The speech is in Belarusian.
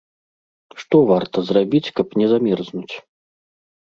Што варта зрабіць, каб не замерзнуць?